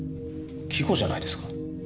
季語じゃないですか？